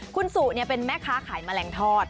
คุณสุเป็นแม่ค้าขายแมลงทอด